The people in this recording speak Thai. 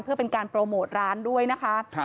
เพื่อเป็นการโปรโมทร้านด้วยนะคะ